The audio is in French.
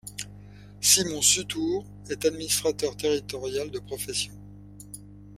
Simon Sutour est administrateur territorial de profession.